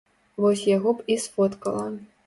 Вось яго б і сфоткала.